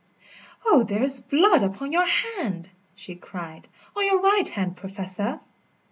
"Oh, there is blood upon your hand," she cried, "on your right hand, Professor!"